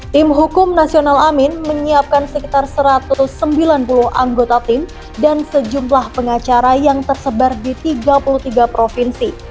tim hukum nasional amin menyiapkan sekitar satu ratus sembilan puluh anggota tim dan sejumlah pengacara yang tersebar di tiga puluh tiga provinsi